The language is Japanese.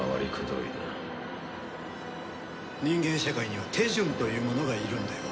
人間社会には手順というものがいるんだよ。